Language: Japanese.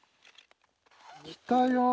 来たよ！